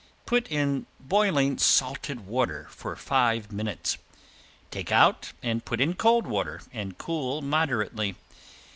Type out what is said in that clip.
Put in boiling salted water for five minutes. Take out and put in cold water and cool moderately.